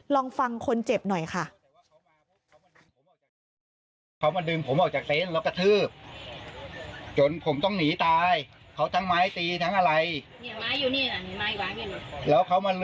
ลองฟังคนเจ็บหน่อยค่ะ